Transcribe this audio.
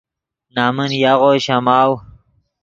نَمن یاغو شَماؤ